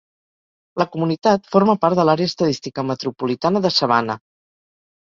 La comunitat forma part de l'àrea estadística metropolitana de Savannah.